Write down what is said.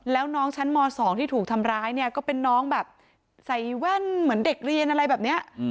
แล้วน้องชั้นม๒ที่ถูกทำร้ายเนี่ยก็เป็นน้องแบบใส่แว่นเหมือนเด็กเรียนอะไรแบบนี้